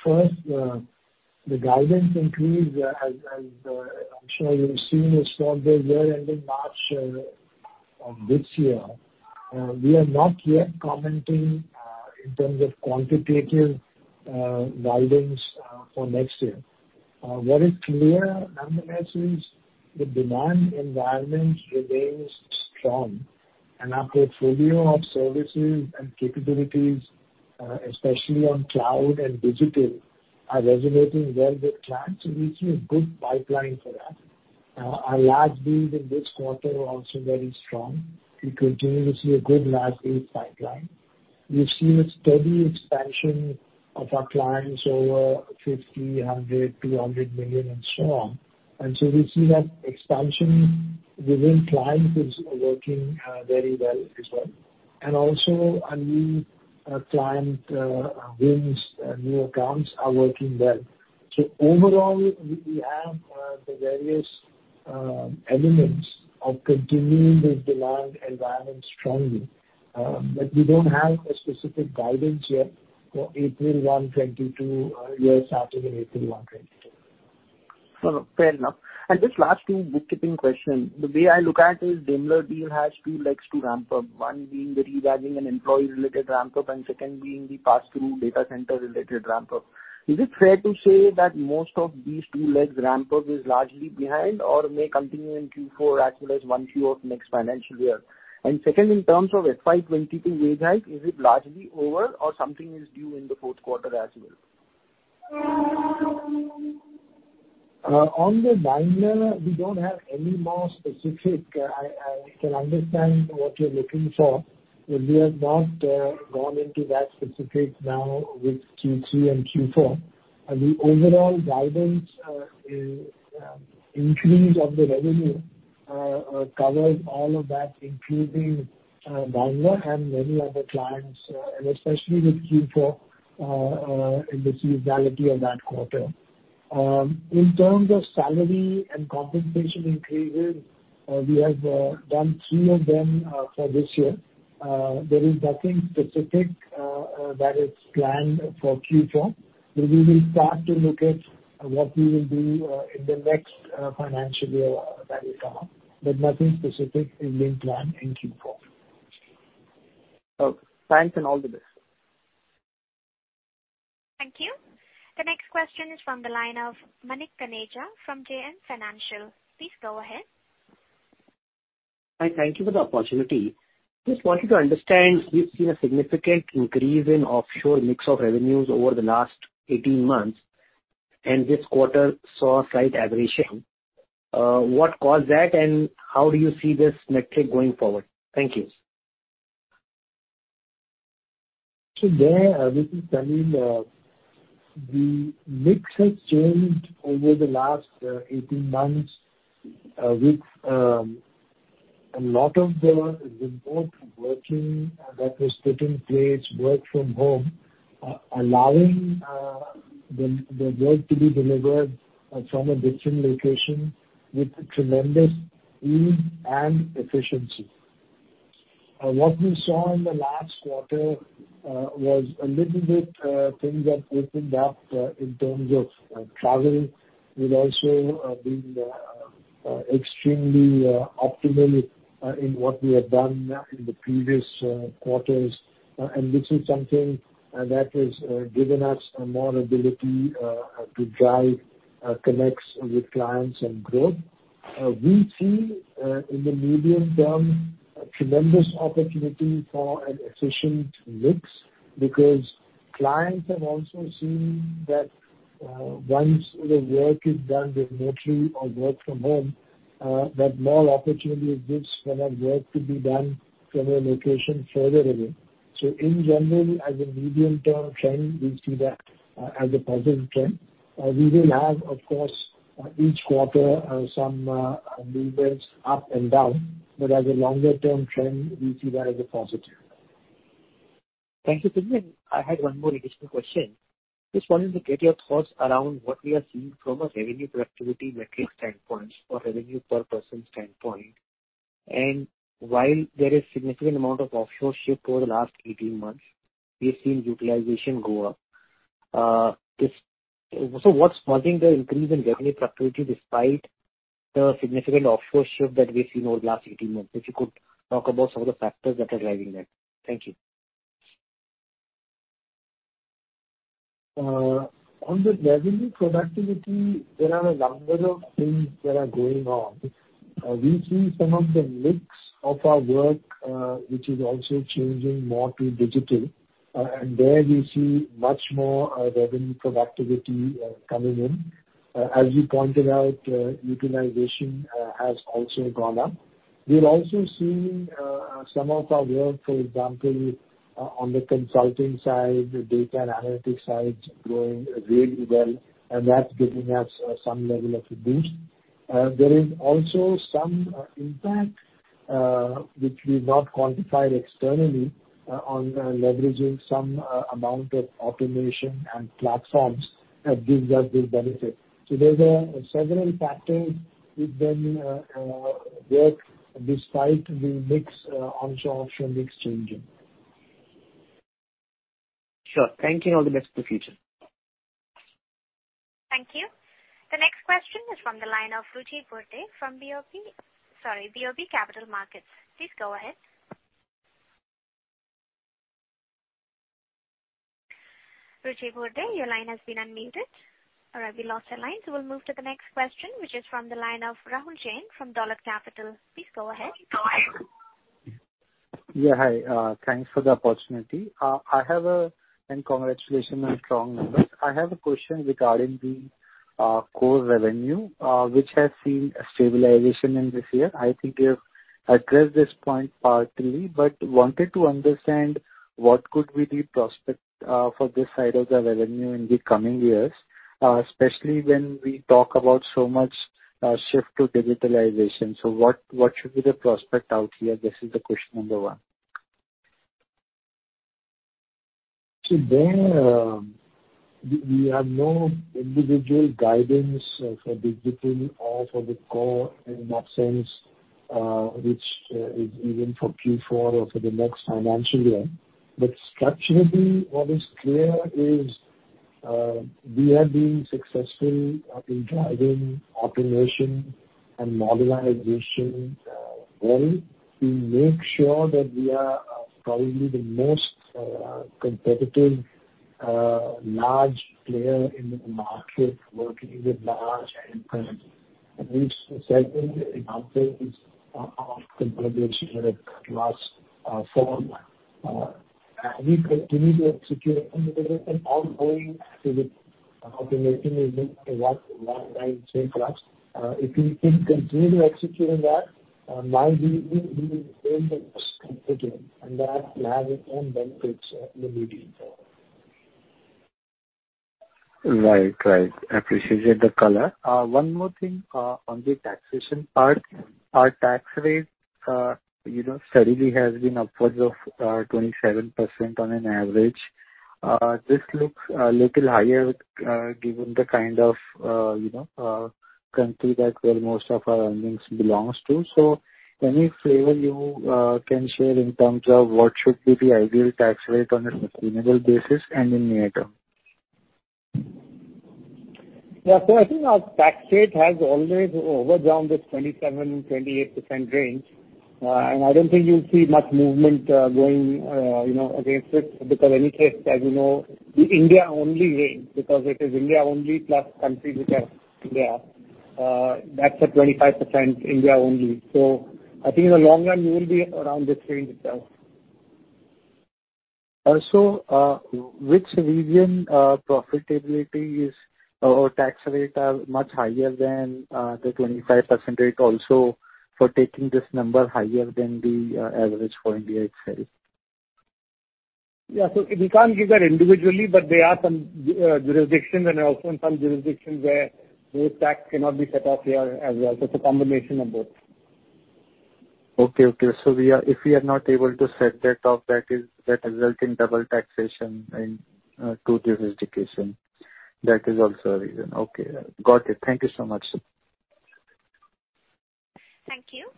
First, the guidance increase, as I'm sure you've seen a stronger year-ending March of this year. We are not yet commenting in terms of quantitative guidance for next year. What is clear nonetheless is the demand environment remains strong. Our portfolio of services and capabilities, especially on cloud and digital, are resonating well with clients, and we see a good pipeline for that. Our large deals in this quarter are also very strong. We continue to see a good large deal pipeline. We've seen a steady expansion of our clients over $50 million, $100 million, $200 million, and so on. We see that expansion within clients is working very well as well. Our new client wins, new accounts are working well. Overall, we have the various elements of continuing the demand environment strongly. We don't have a specific guidance yet for April 1, 2022 or year starting in April 1, 2022. Fair enough. Just last two bookkeeping question. The way I look at is Daimler deal has two legs to ramp up, one being the rebadging and employee-related ramp up, and second being the passthrough data center-related ramp up. Is it fair to say that most of these two legs ramp up is largely behind or may continue in Q4 as well as one Q of next financial year? Second, in terms of FY 2022 wage hike, is it largely over or something is due in the fourth quarter as well? On the Daimler, we don't have any more specifics. I can understand what you're looking for, but we have not gone into those specifics now with Q3 and Q4. The overall guidance increase of the revenue covers all of that, including Daimler and many other clients, and especially with Q4 in the seasonality of that quarter. In terms of salary and compensation increases, we have done three of them for this year. There is nothing specific that is planned for Q4. We will start to look at what we will do in the next financial year that is coming up, but nothing specific is being planned in Q4. Okay. Thanks and all the best. Thank you. The next question is from the line of Manik Taneja from JM Financial. Please go ahead. Hi. Thank you for the opportunity. Just wanted to understand, we've seen a significant increase in offshore mix of revenues over the last 18 months, and this quarter saw a slight aberration. What caused that, and how do you see this metric going forward? Thank you. We can tell you the mix has changed over the last 18 months with a lot of the remote working that was put in place, work from home, allowing the work to be delivered from a different location with tremendous ease and efficiency. What we saw in the last quarter was a little bit, things have opened up in terms of traveling. We've also been extremely optimal in what we have done in the previous quarters. This is something that has given us more ability to drive connects with clients and growth. We see in the medium term a tremendous opportunity for an efficient mix because clients have also seen that once the work is done remotely or work from home that more opportunities this kind of work could be done from a location further away. In general, as a medium-term trend, we see that as a positive trend. We will have, of course, each quarter some movements up and down. As a longer-term trend, we see that as a positive. Thank you, Salil. I had one more additional question. Just wanted to get your thoughts around what we are seeing from a revenue productivity metric standpoint or revenue per person standpoint. While there is a significant amount of offshore shift over the last 18 months, we've seen utilization go up. What's causing the increase in revenue productivity despite the significant offshore shift that we've seen over the last 18 months? If you could talk about some of the factors that are driving that. Thank you. On the revenue productivity, there are a number of things that are going on. We see some of the mix of our work, which is also changing more to digital, and there we see much more revenue productivity coming in. As you pointed out, utilization has also gone up. We're also seeing some of our work, for example, on the consulting side, the data and analytics side growing really well, and that's giving us some level of a boost. There is also some impact, which we've not quantified externally, on leveraging some amount of automation and platforms that gives us this benefit. There's several factors within work despite the mix, onshore-offshore mix changing. Sure. Thank you and all the best for the future. Thank you. The next question is from the line of Ruchi Burde from BOB Capital Markets. Please go ahead. Ruchi Burde, your line has been unmuted. All right, we lost her line, so we'll move to the next question, which is from the line of Rahul Jain from Dolat Capital. Please go ahead. Yeah. Hi. Thanks for the opportunity. Congratulations on strong numbers. I have a question regarding the core revenue, which has seen a stabilization in this year. I think you've addressed this point partly, but wanted to understand what could be the prospect for this side of the revenue in the coming years, especially when we talk about so much shift to digitalization. What should be the prospect out here? This is the question number one. There, we have no individual guidance for digital or for the core in that sense, which is even for Q4 or for the next financial year. Structurally, what is clear is, we are being successful in driving automation and modernization, well to make sure that we are probably the most competitive large player in the market working with large enterprises. We've set in examples of contribution at last form. We continue to execute on the level and ongoing with automation is what I'd say for us. If we keep continuing executing that, mind you, we will earn the trust again, and that has its own benefits in the medium term. Right. Appreciate the color. One more thing, on the taxation part. Our tax rate, you know, steadily has been upwards of 27% on an average. This looks a little higher, given the kind of, you know, country that where most of our earnings belongs to. Any flavor you can share in terms of what should be the ideal tax rate on a sustainable basis and in near term? Yeah. I think our tax rate has always been in this 27%-28% range. I don't think you'll see much movement going against it because in any case, as you know, the India-only rate, because it is India-only plus countries which are India, that's a 25% India-only. I think in the long run you will be around this range itself. Also, which region profitability is or tax rate are much higher than the 25% rate also for taking this number higher than the average for India itself? Yeah. We can't give that individually, but there are some jurisdictions and also in some jurisdictions where those tax cannot be set off here as well. It's a combination of both. Okay. If we are not able to set that off, that is, that result in double taxation in two jurisdictions. That is also a reason. Okay. Got it. Thank you so much. Thank you.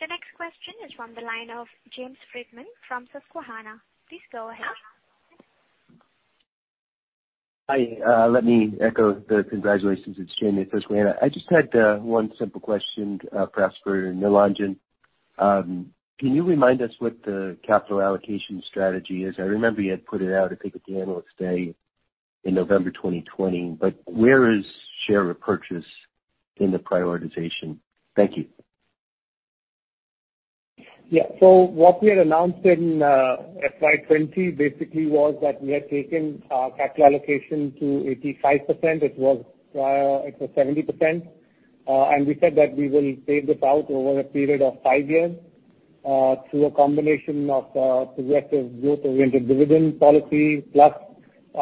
The next question is from the line of James Friedman from Susquehanna. Please go ahead. Hi. Let me echo the congratulations. It's James at Susquehanna. I just had one simple question, perhaps for Nilanjan. Can you remind us what the capital allocation strategy is? I remember you had put it out, I think, at the Analyst Meet in November 2020, but where is share repurchase in the prioritization? Thank you. Yeah. What we had announced in FY 2020 basically was that we had taken capital allocation to 85%. It was 70%. We said that we will pay this out over a period of five years through a combination of progressive growth-oriented dividend policy, plus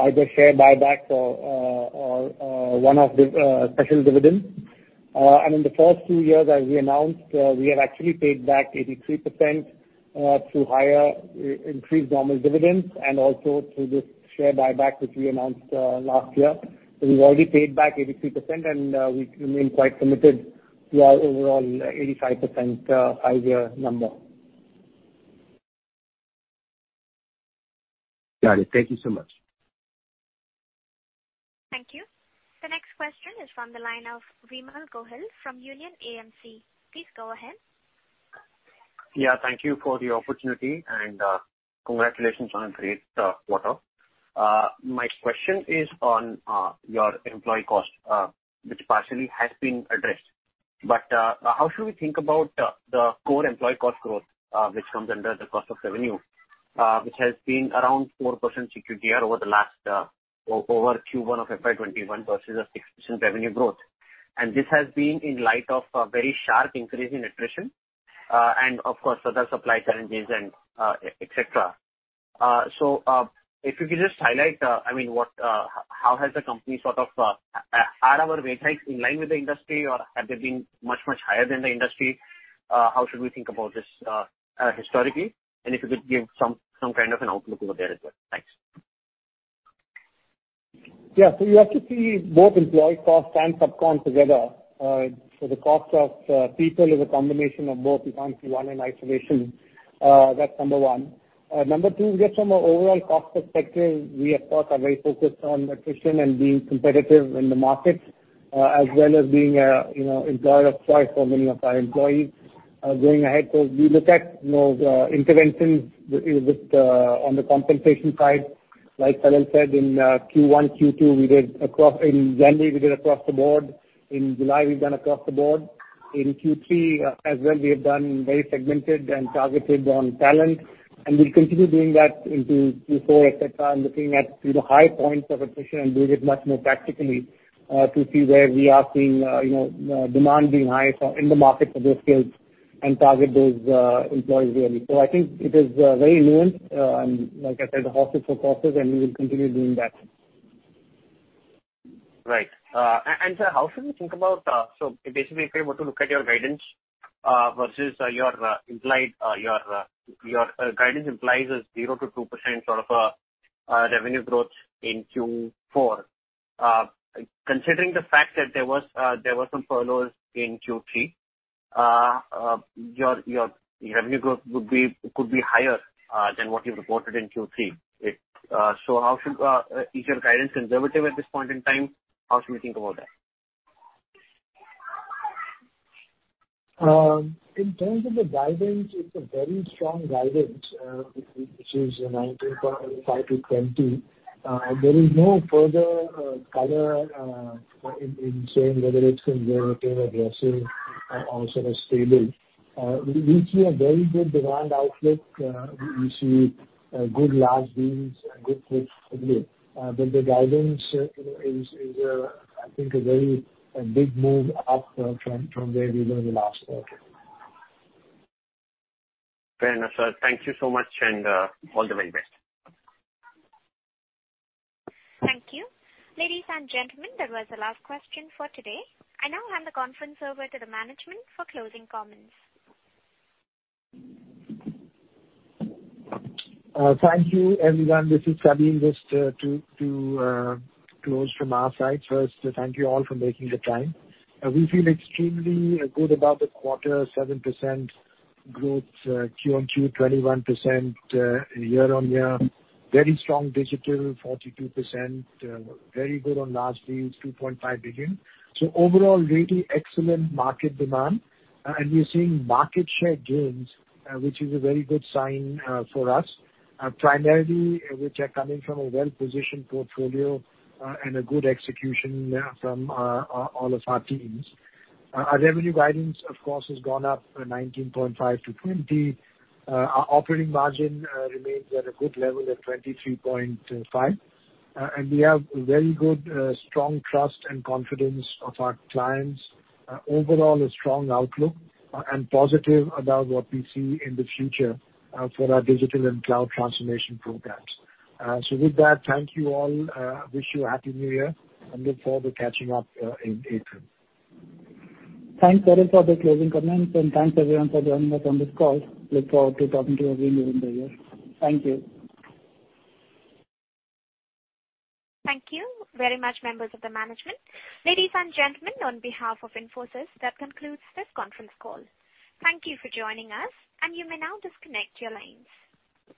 either share buyback or one-off special dividend. In the first two years, as we announced, we have actually paid back 83% through higher increased normal dividends and also through this share buyback, which we announced last year. We've already paid back 83%, and we remain quite committed to our overall 85% five-year number. Got it. Thank you so much. Thank you. The next question is from the line of Vimal Gohil from Union AMC. Please go ahead. Yeah, thank you for the opportunity, and, congratulations on a great quarter. My question is on your employee cost, which partially has been addressed. How should we think about the core employee cost growth, which comes under the cost of revenue, which has been around 4% QTD over the last Q1 of FY 2021 versus a 6% revenue growth. This has been in light of a very sharp increase in attrition, and of course, further supply challenges and et cetera. If you could just highlight, I mean, how has the company sort of are our wage hikes in line with the industry or have they been much higher than the industry? How should we think about this historically? If you could give some kind of an outlook over there as well. Thanks. Yeah. You have to see both employee cost and subcon together. The cost of people is a combination of both. You can't see one in isolation. That's number one. Number two, just from an overall cost perspective, we of course are very focused on attrition and being competitive in the market, as well as being a, you know, employer of choice for many of our employees. Going ahead, we look at, you know, the interventions with on the compensation side. Like Salil said, in Q1, Q2, we did across the board. In January, we did across the board. In July, we've done across the board. In Q3, as well, we have done very segmented and targeted on talent, and we'll continue doing that into Q4, et cetera, and looking at, you know, high points of attrition and doing it much more tactically, to see where we are seeing, you know, demand being high for in the market for those skills and target those employees really. So I think it is very nuanced, and like I said, horses for courses, and we will continue doing that. Sir, how should we think about? Basically, if I were to look at your guidance versus your implied guidance implies 0%-2% sort of revenue growth in Q4. Considering the fact that there was some furloughs in Q3, your revenue growth would be, could be higher than what you've reported in Q3. Is your guidance conservative at this point in time? How should we think about that? In terms of the guidance, it's a very strong guidance, which is 19.5%-20%. There is no further color in saying whether it's conservative, aggressive or sort of stable. We see a very good demand outlook. We see good large deals and good fits broadly. But the guidance, you know, is, I think, a very big move up from where we were in the last quarter. Fair enough, sir. Thank you so much, and, all the very best. Thank you. Ladies and gentlemen, that was the last question for today. I now hand the conference over to the management for closing comments. Thank you, everyone. This is Salil. Just to close from our side. First, thank you all for making the time. We feel extremely good about the quarter. 7% growth QOQ, 21% year-on-year. Very strong digital, 42%. Very good on large deals, $2.5 billion. Overall, really excellent market demand. We're seeing market share gains, which is a very good sign for us, primarily which are coming from a well-positioned portfolio and a good execution from all of our teams. Our revenue guidance, of course, has gone up 19.5%-20%. Our operating margin remains at a good level at 23.5%. We have very good strong trust and confidence of our clients. Overall a strong outlook and positive about what we see in the future for our digital and cloud transformation programs. With that, thank you all. Wish you a Happy New Year and look forward to catching up in April. Thanks, Salil, for the closing comments, and thanks everyone for joining us on this call. Look forward to talking to you again during the year. Thank you. Thank you very much, members of the management. Ladies and gentlemen, on behalf of Infosys, that concludes this conference call. Thank you for joining us, and you may now disconnect your lines.